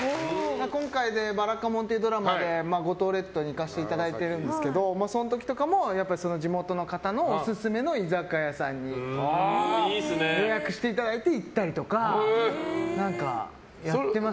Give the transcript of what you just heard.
今回で「ばらかもん」っていうドラマで五島列島に行かせていただいてるんですけどその時とかも地元の方のオススメの居酒屋さんに予約していただいて行ったりとかやってます。